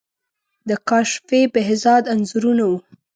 د کاشفی، بهزاد انځورونه وو.